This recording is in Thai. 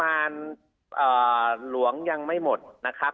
ถ้างบประมาณหลวงยังไม่หมดนะครับ